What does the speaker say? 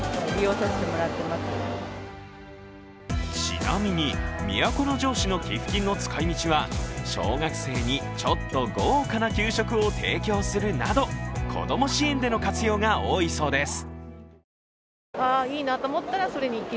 ちなみに、都城市の寄付金の使いみちは小学生にちょっと豪華な給食を提供するなど子供支援での活用が多いそうです。